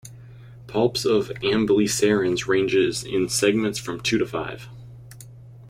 Palps of amblycerans ranges in segments from two to five.